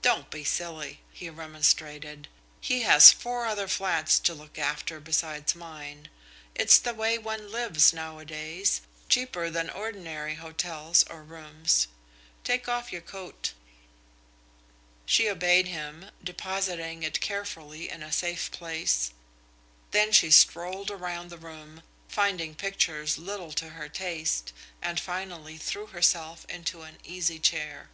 "Don't be silly," he remonstrated. "He has four other flats to look after besides mine. It's the way one lives, nowadays, cheaper than ordinary hotels or rooms. Take off your coat." She obeyed him, depositing it carefully in a safe place. Then she strolled around the room, finding pictures little to her taste, and finally threw herself into an easy chair.